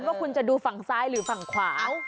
ว่าคุณจะดูฝั่งซ้ายหรือฝั่งขวา